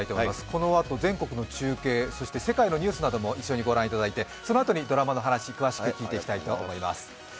このあと全国の中継そして世界のニュースなども一緒に御覧いただいて、そのあとにドラマの話を詳しく聞いていきたいと思います。